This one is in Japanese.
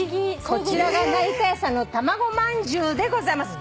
こちらが成田屋さんのたまごまんじゅうでございます。